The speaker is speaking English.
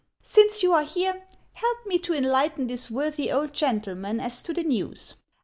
Since you are here, help me to enlighten this worthy old gentleman as to the news.